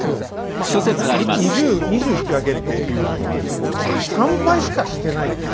まあ２０引き分けっていうのはありますけど３敗しかしてないっていう。